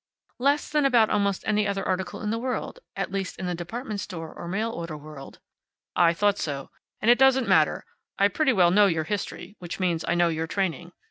"Less than about almost any other article in the world at least, in the department store, or mail order world." "I thought so. And it doesn't matter. I pretty well know your history, which means that I know your training.